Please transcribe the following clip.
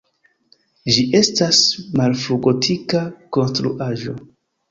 Ĝi estas malfrugotika konstruaĵo.